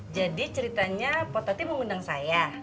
jadi ceritanya po tati mau gendang saya